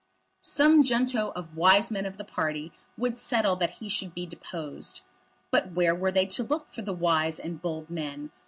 Some junto of wise men of the party would settle that he should be deposed. But where were they to look for the wise and bold men?